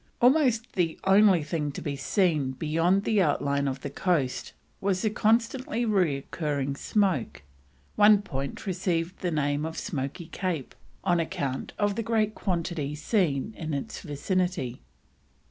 Almost the only thing to be seen beyond the outline of the coast was the constantly recurring smoke; one point received the name of Smoky Cape on account of the great quantity seen in its vicinity.